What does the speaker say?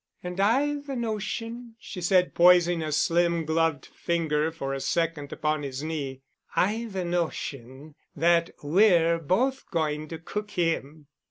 "And I've a notion," she said poising a slim gloved finger for a second upon his knee, "I've a notion that we're both going to cook him."